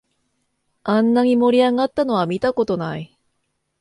あんなに盛り上がったのは見たことない